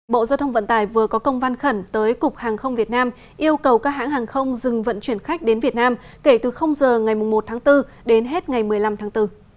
bộ giao thông vận tải vừa có công văn khẩn tới cục hàng không việt nam yêu cầu các hãng hàng không dừng vận chuyển khách đến việt nam kể từ giờ ngày một tháng bốn đến hết ngày một mươi năm tháng bốn